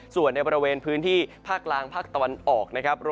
ส่วนในบริเวณพื้นที่ภาคกลางภาคตะวันออกนะครับ